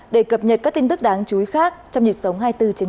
để cập nhật các tin tức đáng chú ý khác trong dịp sống hai mươi bốn h bảy